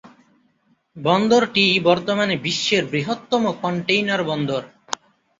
বন্দরটি বর্তমানে বিশ্বের বৃহত্তম কন্টেইনার বন্দর।